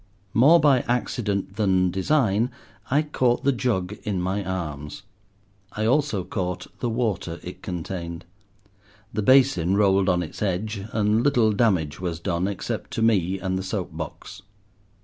More by accident than design I caught the jug in my arms. I also caught the water it contained. The basin rolled on its edge and little damage was done, except to me and the soap box.